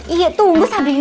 iya tunggu sabrina